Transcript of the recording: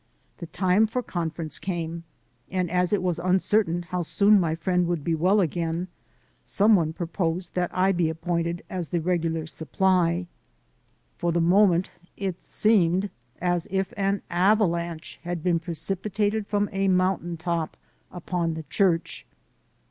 The time for con ference came, and as it was uncertain how soon my friend would be well again, some one proposed that I be appointed as the regular supply. For the moment it seemed as if an avalanche had been precipitated from a mountain top upon the church.